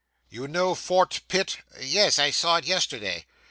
'You know Fort Pitt?' 'Yes; I saw it yesterday.